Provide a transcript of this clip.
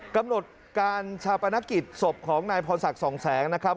กำหนดการชาปนกิจศพของนายพรศักดิ์สองแสงนะครับ